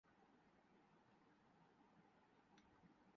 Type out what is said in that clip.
team ایک سال سے بھی کم عرصے میں تشکیل دی گئی تھی